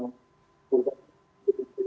untuk berhasil berhasil berhasil